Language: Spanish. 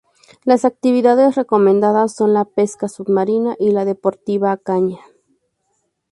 Las actividades recomendadas son la pesca submarina y la deportiva a caña.